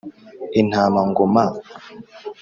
intama ngo ma